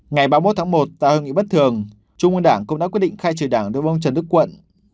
ngày ba mươi một tháng một tại hội nghị bất thường trung ương đảng cũng đã quyết định khai trừ đảng đối với ông trần đức quận